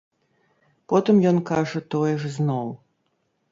Потым ён кажа тое ж зноў.